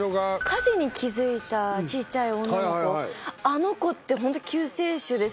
火事に気づいたちっちゃい女の子あの子ってホント救世主ですよね